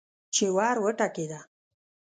چې ور وټکېده.